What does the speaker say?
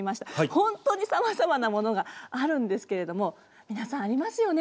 本当にさまざまなものがあるんですけれども皆さんありますよね？